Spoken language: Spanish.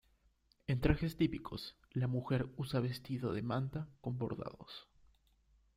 En Trajes típicos, la mujer usa vestido de manta con bordados.